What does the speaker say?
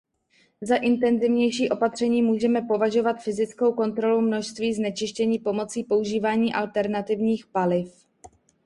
Za intenzivnější opatření můžeme považovat fyzickou kontrolu množství znečištění pomocí používání alternativních paliv.